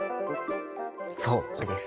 そう蛍です。